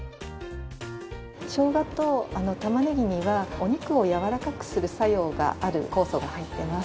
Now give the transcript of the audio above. しょうがと玉ねぎにはお肉をやわらかくする作用がある酵素が入ってます。